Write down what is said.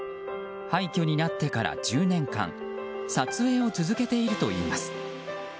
廃墟になってから１０年間撮影を続けているといいます。